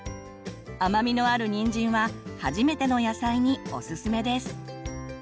甘みのあるにんじんは初めての野菜におすすめです。